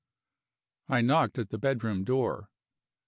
I knocked at the bedroom door.